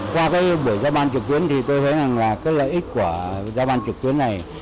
qua cái buổi gia ban trực tuyến thì tôi thấy là các lợi ích của gia ban trực tuyến này